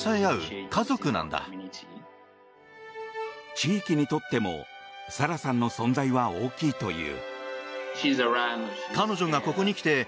地域にとってもサラさんの存在は大きいという。